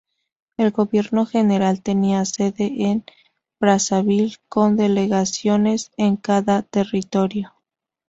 El gobierno general tenía sede en Brazzaville, con delegaciones en cada territorio.